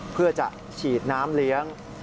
เพื่อจะฉีดน้ำเลี้ยง